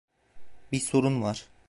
Bir sorun var.